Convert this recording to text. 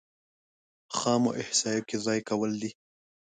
خامو احصایو کې ځای کول دي.